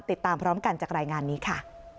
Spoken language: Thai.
ติดตามพร้อมกันจากรายงานนี้ค่ะ